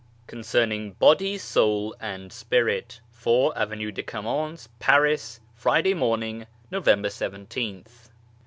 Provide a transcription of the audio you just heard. CONCERNING BODY, SOUL AND SPIRIT 4, Avenue de Camoens, Paris, Friday morning, November ijth.